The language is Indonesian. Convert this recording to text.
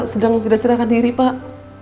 sedang tidak serahkan diri pak